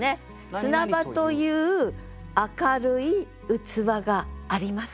砂場という明るい器がありますねって。